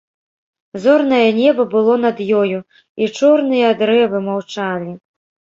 Зорнае неба было над ёю, і чорныя дрэвы маўчалі.